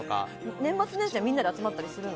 年末年始は、みんなで集まったりするの？